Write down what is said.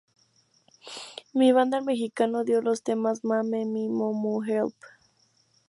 Mi Banda El Mexicano, dio los temas "Ma, me, mi, mo, mu", "Help!